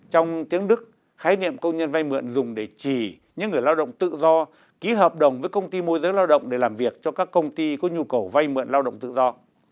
trong tiếng đức khái niệm công nhân vay mượn dùng để chỉ những người lao động tự do ký hợp đồng với công ty môi giới lao động để làm việc cho các công ty có nhu cầu vay mượn lao động tự do